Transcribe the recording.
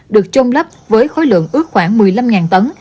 được chôm lắp với khối lượng ước khoảng một mươi năm tấn